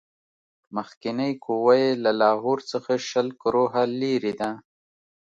مخکنۍ قوه یې له لاهور څخه شل کروهه لیري ده.